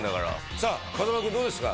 さあ風間君どうですか？